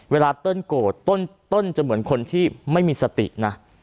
เติ้ลโกรธเติ้ลจะเหมือนคนที่ไม่มีสตินะ